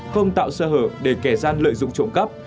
không tạo sơ hở để kẻ gian lợi dụng trộm cắp